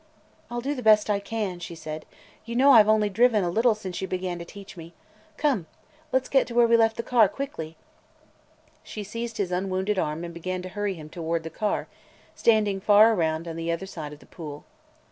"I 'll do the best I can," she said. "You know I 've only driven a little since you began to teach me. Come! Let 's get to where we left the car – quickly!" She seized his unwounded arm and began to hurry him toward the car, standing far around on the other side of the pool.